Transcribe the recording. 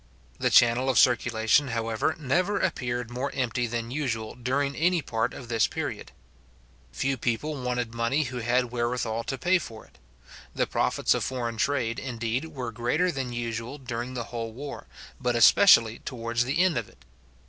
The channel of circulation, however, never appeared more empty than usual during any part of this period. Few people wanted money who had wherewithal to pay for it. The profits of foreign trade, indeed, were greater than usual during the whole war, but especially towards the end of it.